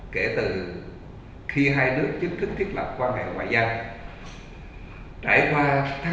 kể từ khi hai nước chứng thức thiết lập quan hệ